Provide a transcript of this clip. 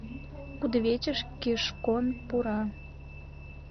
Кудывечыш Кишкон пура.